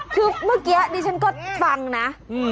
คือเมื่อกี้ดิฉันก็ฟังนะ